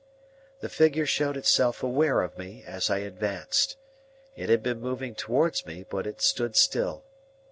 The figure showed itself aware of me, as I advanced. It had been moving towards me, but it stood still.